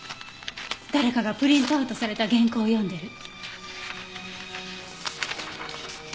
誰かがプリントアウトされた原稿を読んでる。